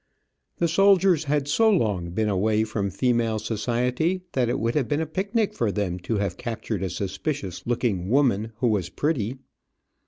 The soldiers had so long been away from female society that it would have been a picnic for them to have captured a suspicious looking woman who was pretty.